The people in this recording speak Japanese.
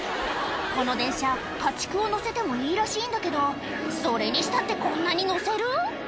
この電車家畜を載せてもいいらしいんだけどそれにしたってこんなに載せる？